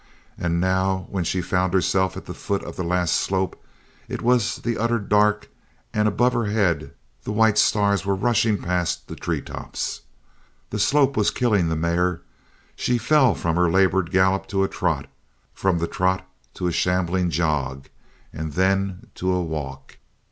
And now, when she found herself at the foot of the last slope, it was the utter dark, and above her head the white stars were rushing past the treetops. The slope was killing the mare. She fell from her labored gallop to a trot, from the trot to a shambling jog, and then to a walk.